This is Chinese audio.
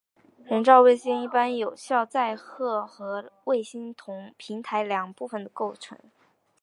人造卫星一般由有效载荷和卫星平台两部分构成。